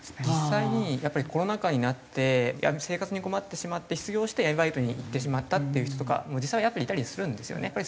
実際にやっぱりコロナ禍になって生活に困ってしまって失業して闇バイトにいってしまったっていう人とか実際やっぱりいたりするんですよね。